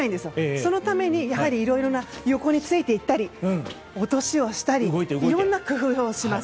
そのためにいろいろな横についていったり落としをしたりいろんな工夫をします。